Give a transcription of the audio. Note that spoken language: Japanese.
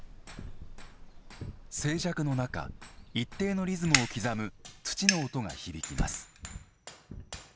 静寂の中、一定のリズムを刻む槌の音が響きます。